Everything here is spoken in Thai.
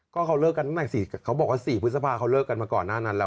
ก็เขาเลิกกันตั้งแต่เขาบอกว่า๔พฤษภาเขาเลิกกันมาก่อนหน้านั้นแล้ว